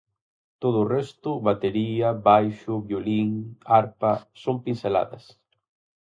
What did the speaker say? Todo o resto: batería, baixo, violín, arpa, son pinceladas.